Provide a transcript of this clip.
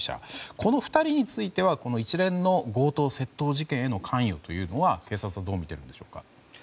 この２人についてはこの一連の強盗・窃盗事件への関与は警察はどう見ているんでしょうか。